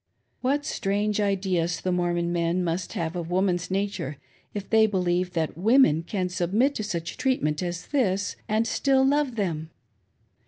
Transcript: What strange ideas the Mormon men must have of woman's nature if they believe that women can submit to such treat ment as this and still love them